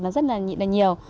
rất là nhiều